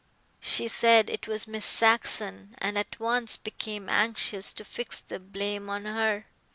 She said it was Miss Saxon, and at once became anxious to fix the blame on her.